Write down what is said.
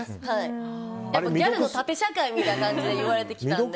ギャルの縦社会みたいな感じで言われてきたので。